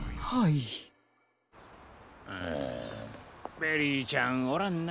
ベリーちゃんおらんな。